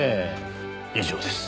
以上です。